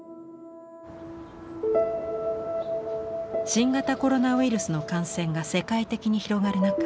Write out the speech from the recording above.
新型コロナウイルスの感染が世界的に広がる中